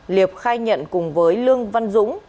liệp khai nhận cùng với lương văn dũng